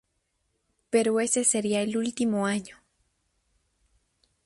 Pero ese sería el último año.